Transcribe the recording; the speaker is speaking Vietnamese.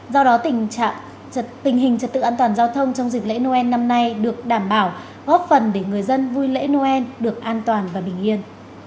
do đó tình trạng trật tự an toàn giao thông trong dịp lễ noel năm nay được đảm bảo góp phần để người dân vui lễ noel được an toàn và bình yên